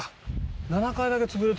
７階だけ潰れてる。